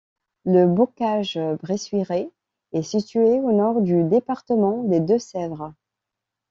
Le Bocage bressuirais est située au nord du département des Deux-Sèvres.